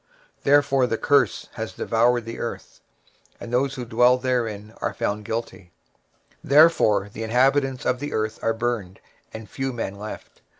23:024:006 Therefore hath the curse devoured the earth, and they that dwell therein are desolate: therefore the inhabitants of the earth are burned, and few men left.